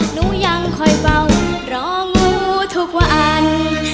หนูยังคอยเบารองูทุกวัน